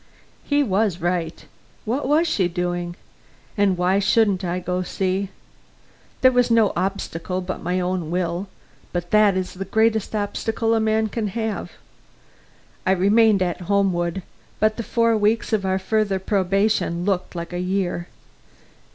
He was right; what was she doing? And why shouldn't I go see? There was no obstacle but my own will, but that is the greatest obstacle a man can have. I remained at Homewood, but the four weeks of our further probation looked like a year.